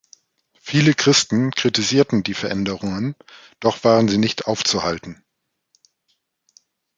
Viele Christen kritisierten diese Veränderungen, doch waren sie nicht aufzuhalten.